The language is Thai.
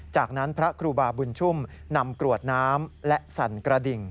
จากนั้นพระครูบาบุญชุ่มนำกรวดน้ำและสั่นกระดิ่ง